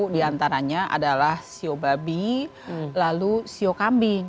di antaranya adalah shou babi lalu shou kambing